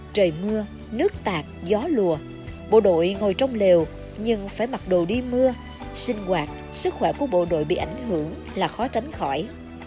trời mưa nước tạc gió lùa bộ đội ngồi trong lều nhưng phải mặc đồ đi mưa sinh hoạt sức khỏe của bộ đội bị ảnh hưởng là khó tránh khỏi